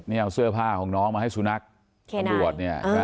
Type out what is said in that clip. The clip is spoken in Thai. นี่เอาเสื้อผ้าของน้องมาให้สุนัขตรวจเนี่ย